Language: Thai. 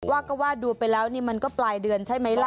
ว่าก็ว่าดูไปแล้วนี่มันก็ปลายเดือนใช่ไหมล่ะ